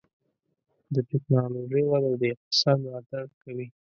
د ټکنالوجۍ وده د اقتصاد ملاتړ کوي.